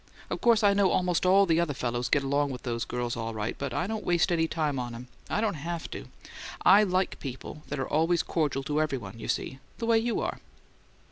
Of course I know almost all the other fellows get along with those girls all right; but I don't waste any time on 'em I don't have to. I like people that are always cordial to everybody, you see the way you are."